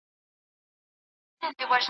په لیکنه کې مبالغه کول لویه نیمګړتیا ګڼل کېږي.